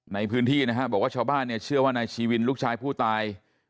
ในพื้นที่นะฮะบอกว่าชาวบ้านเนี่ยเชื่อว่านายชีวินลูกชายผู้ตาย